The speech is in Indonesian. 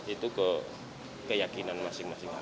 itu keyakinan masing masing